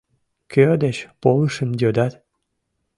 Кӧ деч полышым йодат?